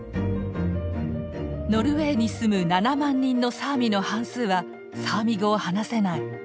ノルウェーに住む７万人のサーミの半数はサーミ語を話せない。